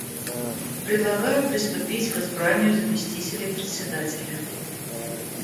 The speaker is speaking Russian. Предлагаю приступить к избранию заместителей Председателя.